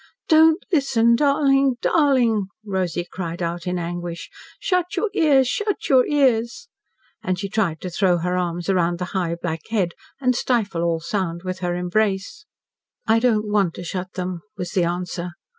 "Don't listen darling darling!" Rosy cried out in anguish. "Shut your ears shut your ears!" And she tried to throw her arms around the high black head, and stifle all sound with her embrace. "I don't want to shut them," was the answer.